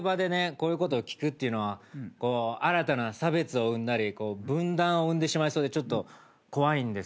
こういうことを聞くっていうのは新たな差別を生んだり分断を生んでしまいそうでちょっと怖いんですけど。